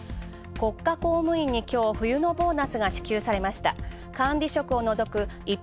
国家公務員に今日冬のボーナスが支給されました。